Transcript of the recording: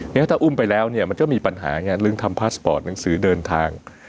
งั้นถ้าอุ้มไปแล้วเนี่ยมันก็มีปัญหาไงเรื่องทำพาสปอร์ตหนังสือเดินทาง